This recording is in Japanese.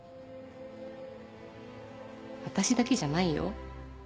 私だけじゃないよ。